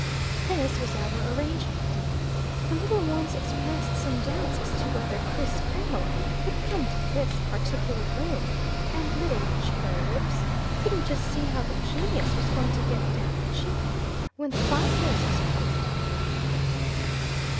This was our arrangement. The little ones expressed some doubts as to whether Kriss Kringle would come to this particular room; and little "cherry lips" couldn't just see how the genius was going to get down the chimney, when the fire place was closed up.